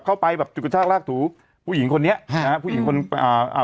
เข้าไปแบบจุดกระชากลากถูผู้หญิงคนนี้ฮะนะฮะผู้หญิงคนอ่าอ่า